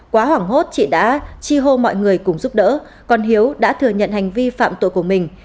quá hoảng hốt chị đã chi hô mọi người cùng giúp đỡ còn hiếu đã thừa nhận hành vi phạm tội của mình